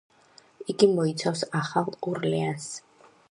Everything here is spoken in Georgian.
იგი მოიცავ ახალ ორლეანს.